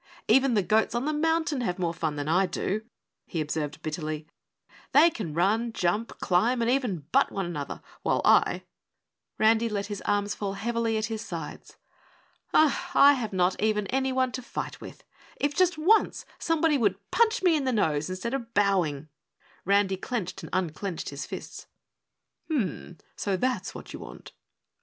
"Even the goats on the mountain have more fun than I do," he observed bitterly. "They can run, jump, climb and even butt one another, while I " Randy let his arms fall heavily at his sides. "I have not even anyone to fight with. If just ONCE somebody would punch me in the nose instead of bowing." Randy clenched and unclenched his fists. "Hm mm! So that's what you want!"